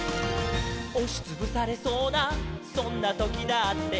「おしつぶされそうなそんなときだって」